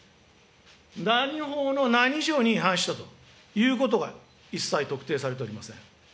何法の何条に違反したということが一切特定されておりません。